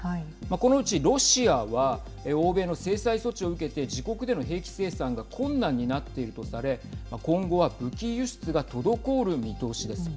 このうちロシアは欧米の制裁措置を受けて自国での兵器生産が困難になっているとされ今後は武器輸出が滞る見通しです。